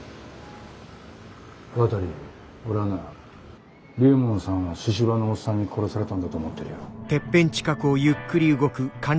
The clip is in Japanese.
俺はな龍門さんは神々のおっさんに殺されたんだと思ってるよ。